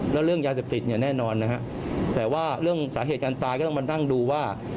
แล้วเรื่องยาเสพติดเนี่ยแน่นอนนะฮะแต่ว่าเรื่องสาเหตุการตายก็ต้องมานั่งดูว่า